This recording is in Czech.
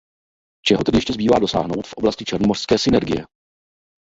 Čeho tedy ještě zbývá dosáhnout v oblasti černomořské synergie?